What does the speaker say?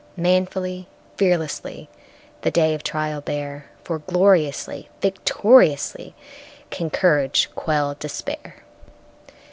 Manfully, fearlessly, The day of trial bear, For gloriously, victoriously, Can courage quell despair!